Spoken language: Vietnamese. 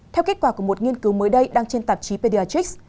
theo kết quả của một nghiên cứu mới đây đăng trên tạp chí pediatrics